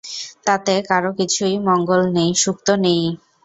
তাতে কারো কিছুই মঙ্গল নেই, সুখ তো নেইই।